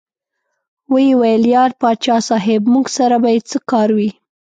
ویې ویل: یار پاچا صاحب موږ سره به یې څه کار وي.